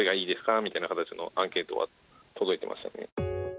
みたいな形のアンケートは届いていましたね。